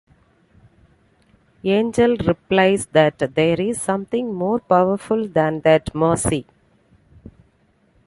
Angel replies that there is something more powerful than that - mercy.